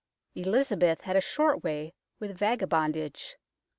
Elizabeth had a short way with vagabondage.